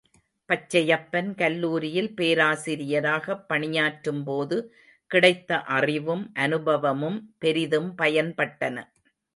பச்சையப்பன் கல்லூரியில் பேராசிரியாகப் பணியாற்றும் போது கிடைத்த அறிவும் அனுபவமும் பெரிதும் பயன் பட்டன.